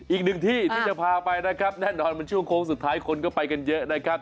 อีกหนึ่งที่ที่จะพาไปนะครับแน่นอนมันช่วงโค้งสุดท้ายคนก็ไปกันเยอะนะครับ